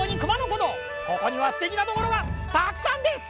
ここにはすてきなところがたくさんです！